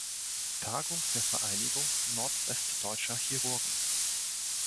Tagung der Vereinigung Nordwestdeutscher Chirurgen.